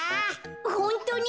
ホントに？